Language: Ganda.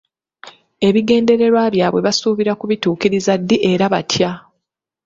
Ebigendererwa byabwe basuubira kubituukiriza ddi era batya?